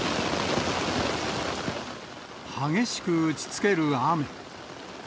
激しく打ちつける雨。